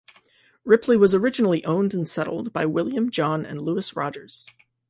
Ripley was originally owned and settled by William, John, and Lewis Rodgers.